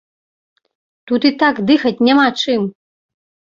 Тут і так дыхаць няма чым!